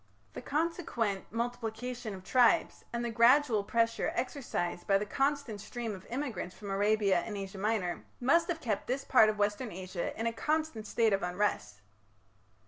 The consequent multiplication of tribes, and the gradual pressure exercised by the constant stream of immigrants from Arabia and Asia Minor, must have kept this part of Western Asia in a constant state of unrest.